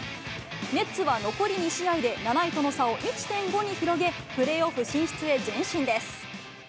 ネッツは残り２試合で、７位との差を１．５に広げ、プレーオフ進出へ前進です。